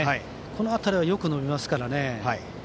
この辺りはよく伸びますからね。